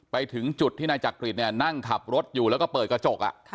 ไปถึงจุดที่นายจักริตนั่งขับรถอยู่แล้วก็เปิดกระจก